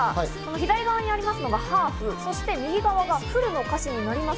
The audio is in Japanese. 左側にありますのがハーフ、右側がフルの歌詞になります。